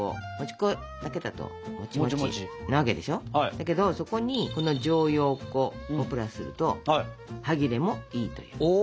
だけどそこにこの薯蕷粉をプラスすると歯切れもいいという。